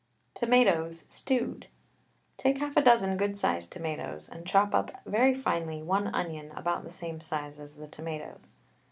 TOMATOES, STEWED. Take half a dozen good sized tomatoes, and chop up very finely one onion about the same size as the tomatoes.